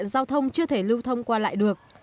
không chưa thể lưu thông qua lại được